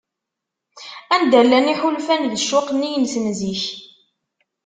Anda llan yiḥulfan d ccuq-nni-ines n zik?